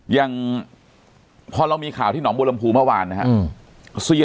ยังพอเรามีข่าวที่หนองบูรรมภูมิเมื่อวานนะครับ